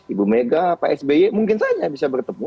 ibu mega pak sby mungkin saja bisa bertemu